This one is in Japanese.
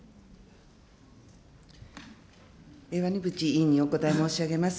鰐淵委員にお答え申し上げます。